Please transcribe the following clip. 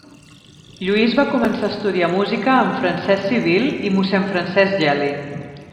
Lluís va començar a estudiar música amb Francesc Civil i mossèn Francesc Geli.